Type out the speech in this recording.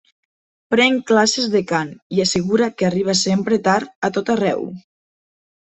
Pren classes de cant, i assegura que arriba sempre tard a tot arreu.